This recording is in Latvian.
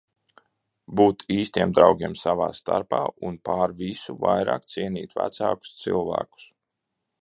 Būt īstiem draugiem savā starpā, un pār visu vairāk, cienīt vecākus cilvēkus.